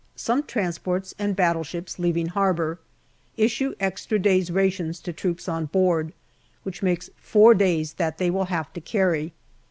Some transports and battleships leaving harbour. Issue extra days' rations to troops on board, which makes four days' that they will have to carry.